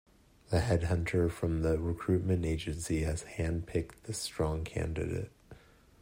The head hunter from the recruitment agency has hand-picked this strong candidate.